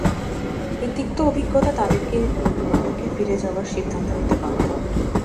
এই তিক্ত অভিজ্ঞতা তাদেরকে নরকে ফিরে যাওয়ার সিদ্ধান্ত নিতে বাধ্য করে।